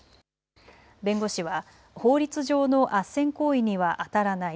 弁護士は法律上のあっせん行為にはあたらない。